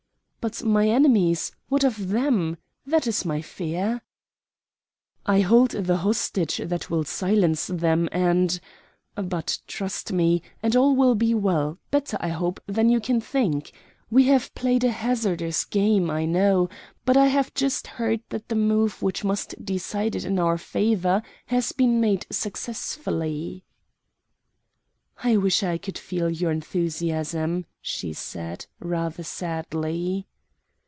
"But my enemies what of them? That is my fear." "I hold the hostage that will silence them, and But trust me and all will be well, better, I hope, than you can think. We have played a hazardous game, I know; but I have just heard that the move which must decide it in our favor has been made successfully." "I wish I could feel your enthusiasm," she said, rather sadly.